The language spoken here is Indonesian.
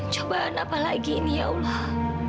coba ada apa lagi ini ya allah